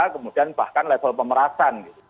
kemudian bahkan level pemerasan